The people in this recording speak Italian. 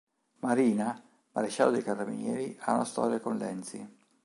Marina, maresciallo dei Carabinieri, ha una storia con Lenzi.